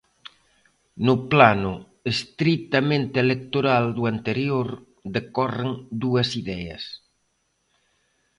No plano estritamente electoral do anterior decorren dúas ideas.